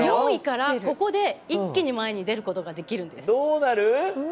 ４位からここで一気に前に出ることができるんです。